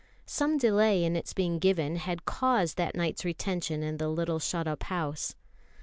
Some delay in its being given had caused that night's retention in the little shut up house.